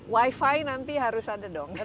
wifi nanti harus ada dong